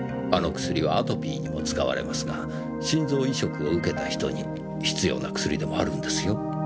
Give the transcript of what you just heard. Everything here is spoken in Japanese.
あの薬はアトピーにも使われますが心臓移植を受けた人に必要な薬でもあるんですよ。